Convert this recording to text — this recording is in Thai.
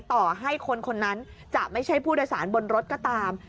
ต่อให้คนคนนั้นจะไม่ใช่ผู้โดยสารบนรถก็ตาม